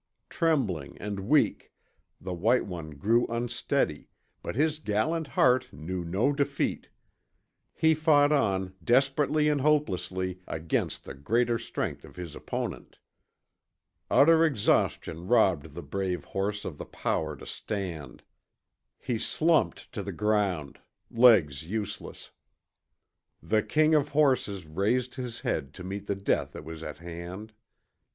Trembling and weak, the white one grew unsteady, but his gallant heart knew no defeat. He fought on, desperately and hopelessly, against the greater strength of his opponent. Utter exhaustion robbed the brave horse of the power to stand. He slumped to the ground, legs useless. The king of horses raised his head to meet the death that was at hand.